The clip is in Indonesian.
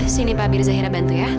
sini pak abir zahira bantu ya